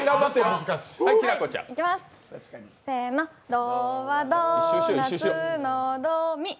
ドはドーナツのド、ミ。